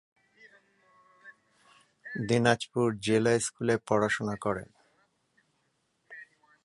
দিনাজপুর জিলা স্কুলে পড়াশোনা করেন।